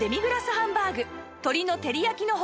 ハンバーグ鶏の照焼の他